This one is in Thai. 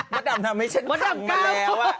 มดดำทำให้ฉันพังมาแล้ว